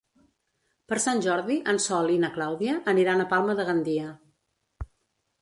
Per Sant Jordi en Sol i na Clàudia aniran a Palma de Gandia.